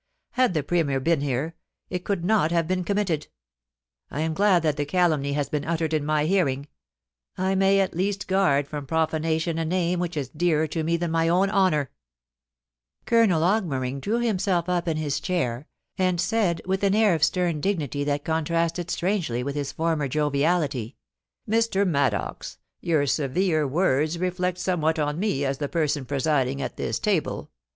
Had the Premier been here, it could not have been committed. I am glad that the calumny has been uttered in my hearing. I may at least guard from profanation a name which is dearer to me than my own honour.' THE DINNER TO GENERAL COMPTON. 375 Colonel Augmering drew himself up in his chair, and sai^l, with an air of stern dignity that contrasted strangely with his former joviality :' Mr. Maddox, your severe words reflect somewhat on me as the person presiding at this table.